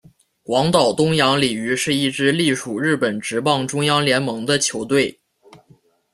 广岛东洋鲤鱼是一支隶属日本职棒中央联盟的球队。